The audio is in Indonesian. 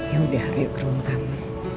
yaudah ayo ke ruang tamu